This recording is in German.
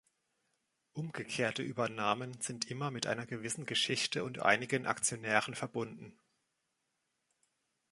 Umgekehrte Übernahmen sind immer mit einer gewissen Geschichte und einigen Aktionären verbunden.